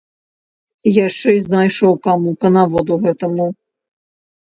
Яшчэ знайшоў каму, канаводу гэтаму?!